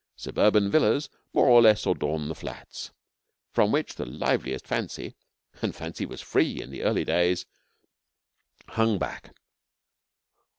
Suburban villas more or less adorn the flats, from which the liveliest fancy (and fancy was free in the early days) hung back.